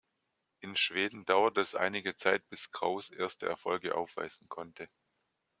In Schweden dauerte es einige Zeit, bis Kraus erste Erfolge aufweisen konnte.